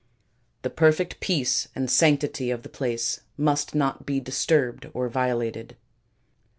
The perfect peace and sanctity of the place must not be disturbed or violated.